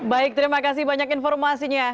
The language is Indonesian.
baik terima kasih banyak informasinya